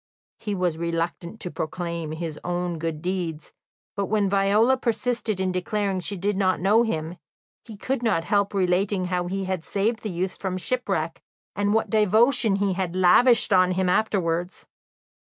He was reluctant to proclaim his own good deeds, but when Viola persisted in declaring that she did not know him, he could not help relating how he had saved the youth from shipwreck, and what devotion he had lavished on him afterwards.